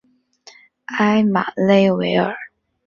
埃马勒维尔。